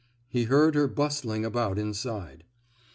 He heard her bus tling about inside.